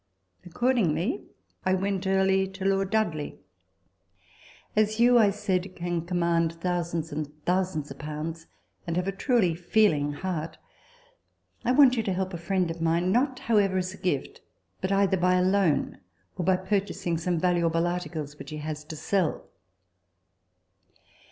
Accordingly, I went early to Lord Dudley. " As you," I said, " can command thousands and thousands of pounds, and have a truly feeling heart, I want you to help a friend of mine not, however, by a gift, but either by a loan, or by purchasing some valuable articles which he has to sell."